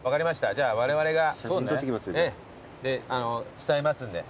じゃあわれわれが伝えますんで。